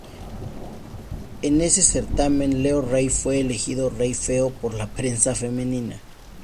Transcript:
En ese certamen Leo Rey fue elegido "Rey feo" por la prensa femenina.